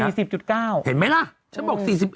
เห็นไหมล่ะฉันบอก๔๗